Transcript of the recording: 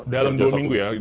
dalam dua minggu ya